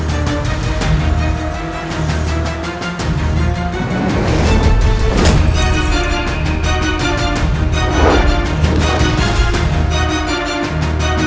terimalah serangan kami